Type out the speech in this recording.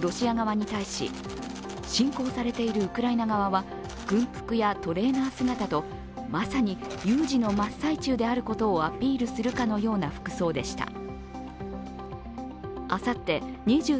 ロシア側に対し、侵攻されているウクライナ側は軍服やトレーナー姿とまさに有事の真っ最中であることをアピールするかのような服装でした。